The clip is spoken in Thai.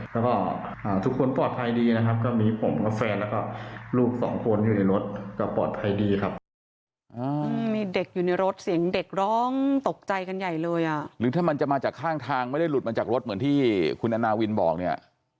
แล้วก็ทุกคนปลอดภัยดีนะครับก็มีผมก็แฟนแล้วก็ลูก๒คนอยู่ในรถก็ปลอดภัยดี